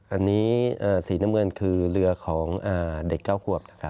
อันนี้สีน้ำเงินคือเรือของเด็ก๙ขวบนะครับ